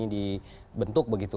ini dibentuk begitu